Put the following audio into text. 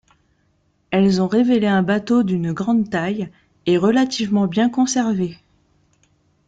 Elles ont révélé un bateau d'une grande taille et relativement bien conservé.